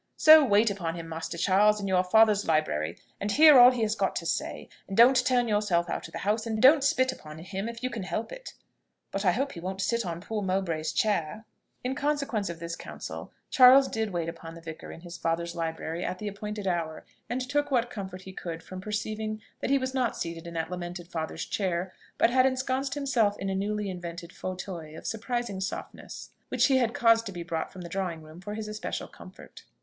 So wait upon him, Master Charles, in your father's library, and hear all he has got to say; and don't turn yourself out of the house; and don't spit upon him if you can help it. But I hope he won't sit in poor Mowbray's chair!" In consequence of this counsel, Charles did wait upon the vicar in his father's library at the appointed hour, and took what comfort he could from perceiving that he was not seated in that lamented father's chair, but had ensconced himself in a newly invented fauteuil of surpassing softness, which he had caused to be brought from the drawing room for his especial comfort.